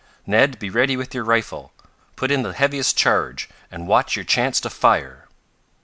"Ned, be ready with your rifle. Put in the heaviest charge, and watch your chance to fire!"